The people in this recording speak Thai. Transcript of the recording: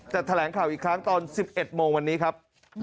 แถลงข่าวอีกครั้งตอน๑๑โมงวันนี้ครับ